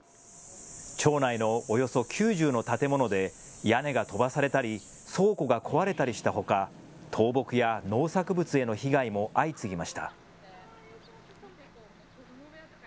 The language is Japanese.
町内のおよそ９０の建物で屋根が飛ばされたり倉庫が壊れたりしたほか、倒木や農作物への被害も相次ぎました。